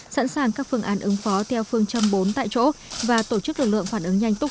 sẵn sàng các phương án ứng phó theo phương châm bốn tại chỗ và tổ chức lực lượng phản ứng nhanh túc